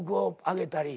あげたり。